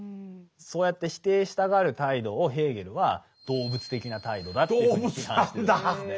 そうやって否定したがる態度をヘーゲルは動物的な態度だっていうふうに批判してるんですね。